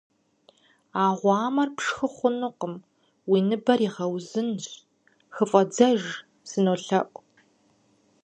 А гъуамэр пшхы хъунукъым уи ныбэр игъэузынщ, хыфӀэдзэж, сынолъэӀу.